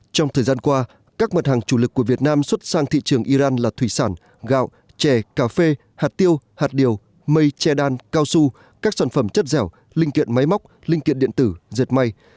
trong thời gian qua các mặt hàng chủ lực của việt nam xuất sang thị trường iran là thủy sản gạo chè cà phê hạt tiêu hạt điều mây che đan cao su các sản phẩm chất dẻo linh kiện máy móc linh kiện điện tử dệt may